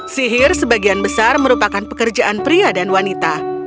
sihir sebagian besar merupakan pekerjaan pria dan wanita